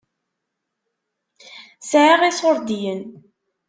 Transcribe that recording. Sɛiɣ iṣuṛdiyen.